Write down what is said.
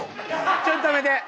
ちょっと止めて。